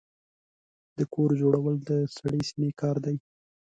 د کور جوړول د سړې سينې کار دی.